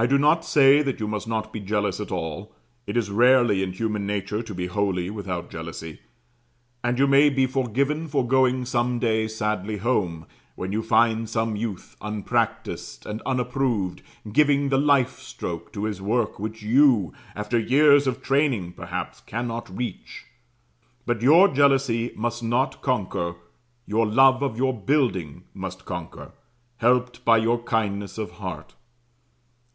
I do not say that you must not be jealous at all; it is rarely in human nature to be wholly without jealousy; and you may be forgiven for going some day sadly home, when you find some youth, unpractised and unapproved, giving the life stroke to his work which you, after years of training, perhaps, cannot reach; but your jealousy must not conquer your love of your building must conquer, helped by your kindness of heart.